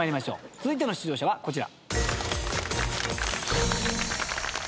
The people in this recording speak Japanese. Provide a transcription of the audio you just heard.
続いての出場者はこちら。